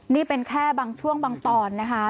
นี่เป็นแค่บางช่วงบางตอนนะคะ